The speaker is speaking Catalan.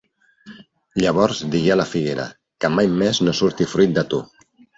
Llavors digué a la figuera: -Que mai més no surti fruit de tu!